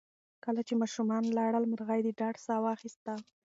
کله چې ماشومان لاړل، مرغۍ د ډاډ ساه واخیسته.